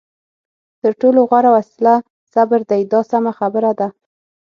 تر ټولو غوره وسله صبر دی دا سمه خبره ده.